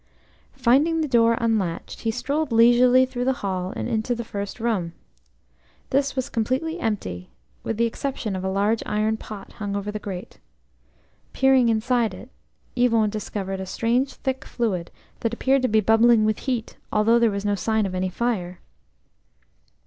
Finding the door unlatched, he strolled leisurely through the hall and into the first room. This was completely empty, with the exception of a large iron pot hung over the grate. Peering inside it, Yvon discovered a strange thick fluid that appeared to be bubbling with heat, although there was no sign of any fire.